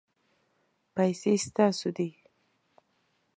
پیسې ستاسو دي